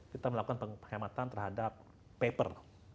kita melakukan penghematan terhadap paper